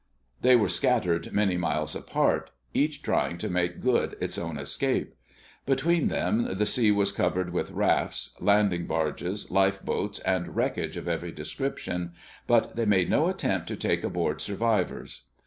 They were scattered many miles apart, each trying to make good its own escape. Between them the sea was covered with rafts, landing barges, lifeboats and wreckage of every description, but they made no attempt to take aboard survivors.